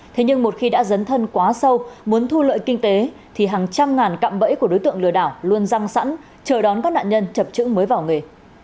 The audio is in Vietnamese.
thế nhưng một khi đã dấn thân quá sâu muốn thu lợi kinh tế thì hàng trăm ngàn cạm bẫy của đối tượng lừa đảo luôn răng sẵn chờ đón các nạn nhân chập chững mới vào nghề